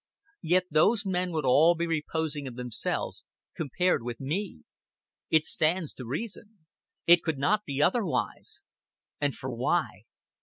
Yet those men would all be reposing of themselves compared with me. It stands to reason. It could not be otherwise. And for why?